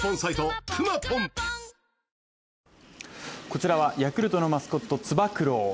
こちらはヤクルトのマスコット・つば九郎。